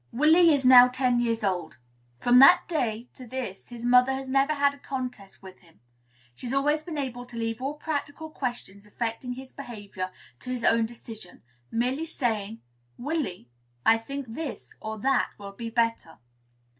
Willy is now ten years old. From that day to this his mother has never had a contest with him; she has always been able to leave all practical questions affecting his behavior to his own decision, merely saying, "Willy, I think this or that will be better."